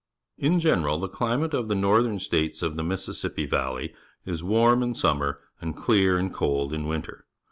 In general, the climate of the_JNxu:thern States of the Mississippi 'S'alleyi^Js warm m summer and clear and cold in winter.